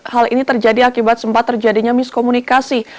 hal ini terjadi akibat sempat terjadinya miskomunikasi